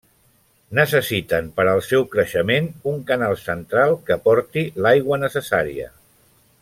Necessiten per al seu creixement un canal central que aporti l'aigua necessària.